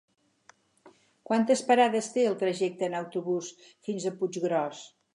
Quantes parades té el trajecte en autobús fins a Puiggròs?